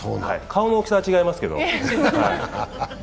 顔の大きさは違いますけど。